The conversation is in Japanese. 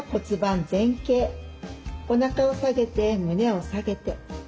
おなかを下げて胸を下げて。